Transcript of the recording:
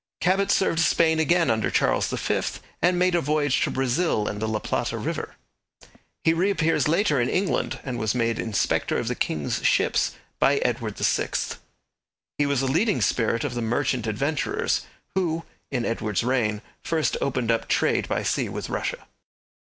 Cabot served Spain again under Charles V, and made a voyage to Brazil and the La Plata river. He reappears later in England, and was made Inspector of the King's Ships by Edward VI. He was a leading spirit of the Merchant Adventurers who, in Edward's reign, first opened up trade by sea with Russia.